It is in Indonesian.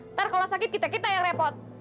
ntar kalau sakit kita kita yang repot